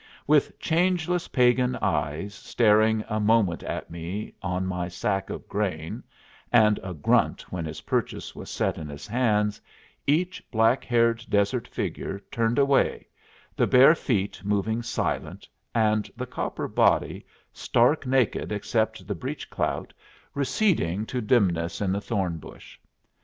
With changeless pagan eyes staring a moment at me on my sack of grain, and a grunt when his purchase was set in his hands, each black haired desert figure turned away, the bare feet moving silent, and the copper body, stark naked except the breech clout, receding to dimness in the thorn bush.